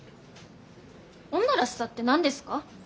女らしさって何ですか？